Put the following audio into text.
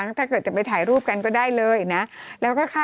จำกัดจำนวนได้ไม่เกิน๕๐๐คนนะคะ